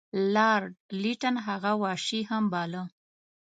لارډ لیټن هغه وحشي هم باله.